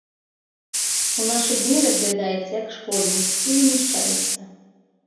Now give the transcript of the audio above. У нашы дні разглядаецца як шкоднік і вынішчаецца.